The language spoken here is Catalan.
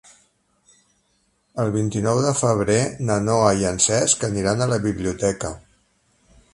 El vint-i-nou de febrer na Noa i en Cesc aniran a la biblioteca.